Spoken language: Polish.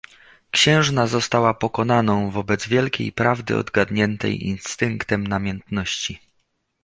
"Księżna została pokonaną wobec wielkiej prawdy odgadniętej instynktem namiętności."